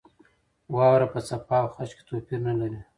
واوره په څپه او خج کې توپیر نه لري.